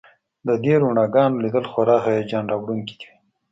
د دې رڼاګانو لیدل خورا هیجان راوړونکي وي